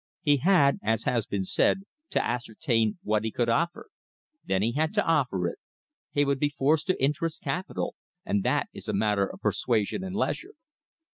He had, as has been said, to ascertain what he could offer. Then he had to offer it. He would be forced to interest capital, and that is a matter of persuasion and leisure.